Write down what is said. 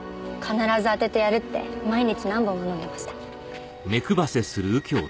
必ず当ててやるって毎日何本も飲んでました。